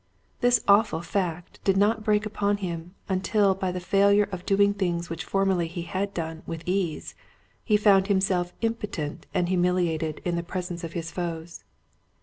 This awful fact did not break upon him until by the failure of doing things which formerly he had done with ease he found himself impotent and humili ated in the presence of his foes.